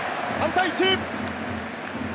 ３対１。